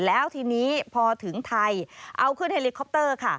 แล้วทีนี้พอถึงไทยเอาเคลื่อนไฮลิคอปเตอร์